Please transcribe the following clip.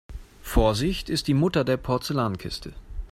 Vorsicht ist die Mutter der Porzellankiste.